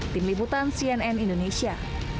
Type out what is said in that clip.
tim liputan cnn indonesia